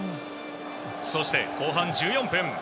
そして後半１４分。